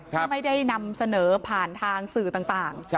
ที่ไม่ได้นำเสนอผ่านทางสื่อต่าง